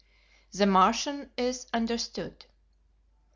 The Martian Is Understood.